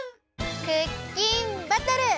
クッキンバトル！